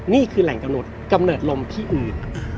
นี่คือแหล่งกำหนดกำเนิดลมที่อื่น